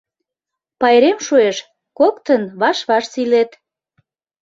Пайрем шуэш — коктын ваш-ваш сийлет...